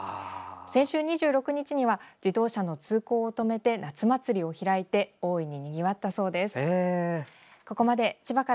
先週２６日には自動車の通行を止めて夏祭りを開いて大いににぎわったそうです。